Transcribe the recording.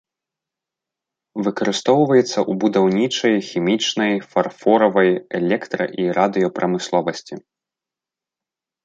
Выкарыстоўваецца ў будаўнічай, хімічнай, фарфоравай, электра- і радыёпрамысловасці.